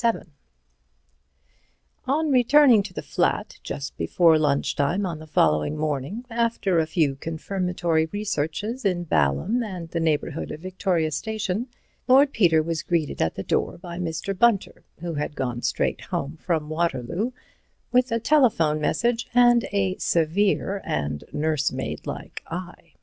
VII On returning to the flat just before lunch time on the following morning, after a few confirmatory researches in Balham and the neighbourhood of Victoria Station, Lord Peter was greeted at the door by Mr. Bunter (who had gone straight home from Waterloo) with a telephone message and a severe and nursemaid like eye.